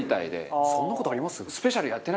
そんな事あります？